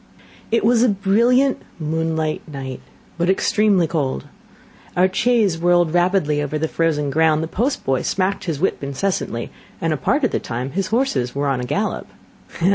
It was a brilliant moonlight night, but extremely cold; our chaise whirled rapidly over the frozen ground; the post boy smacked his whip incessantly, and a part of the time his horses were on a gallop.